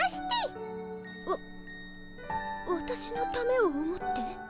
わわたしのためを思って？